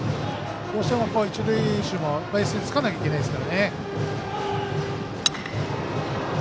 どうしても一塁手もベースにつかなきゃいけませんからね。